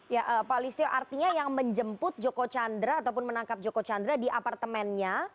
ya pak alistio artinya yang menjemput joko candra ataupun menangkap joko candra di apartemennya